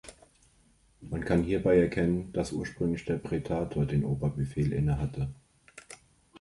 Man kann hierbei erkennen, dass ursprünglich der Prätor den Oberbefehl innehatte.